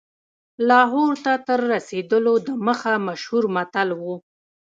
لاهور ته تر رسېدلو دمخه مشهور متل و.